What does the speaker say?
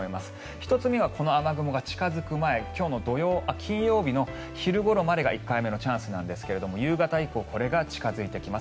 １つ目がこの雨雲が近付く前金曜日の昼ごろまでが１回目のチャンスですが夕方以降これが近付いてきます。